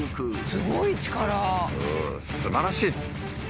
うんすばらしい！